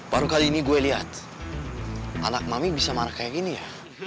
baru kali ini gue lihat anak mami bisa marah kayak gini ya